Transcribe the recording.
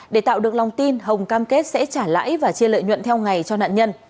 để tạo được lòng tin hồng cam kết sẽ trả lãi và chia lợi nhuận theo ngày cho nạn nhân